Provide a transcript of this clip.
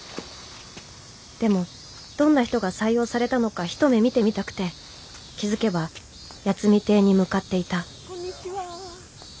でもどんな人が採用されたのか一目見てみたくて気付けば八海邸に向かっていたこんにちは。